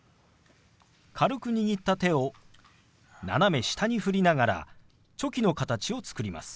軽く握った手を斜め下に振りながらチョキの形を作ります。